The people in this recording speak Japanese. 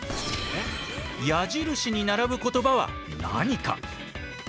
矢印に並ぶ言葉は何か？